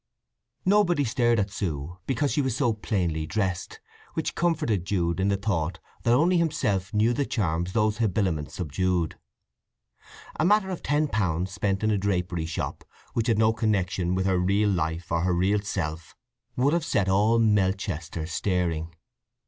Nobody stared at Sue, because she was so plainly dressed, which comforted Jude in the thought that only himself knew the charms those habiliments subdued. A matter of ten pounds spent in a drapery shop, which had no connection with her real life or her real self, would have set all Melchester staring.